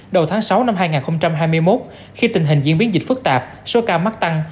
đầu tháng sáu năm hai nghìn hai mươi một khi tình hình diễn biến dịch phức tạp số ca mắc tăng